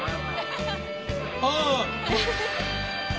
ああ。